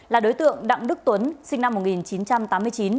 là đối tượng đặng đức tuấn sinh năm một nghìn chín trăm tám mươi chín